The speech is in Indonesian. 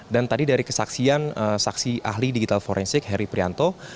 dan tadi dari kesaksian saksi ahli digital forensik heri prianto